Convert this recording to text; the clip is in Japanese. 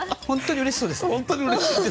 本当にうれしいです。